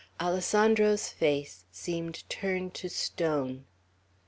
Alessandro's face seemed turned to stone.